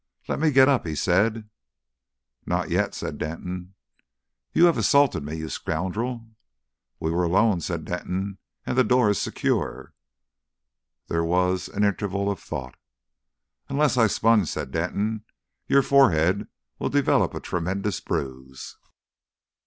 "Let me get up," he said. "Not yet," said Denton. "You have assaulted me, you scoundrel!" "We are alone," said Denton, "and the door is secure." There was an interval of thought. "Unless I sponge," said Denton, "your forehead will develop a tremendous bruise."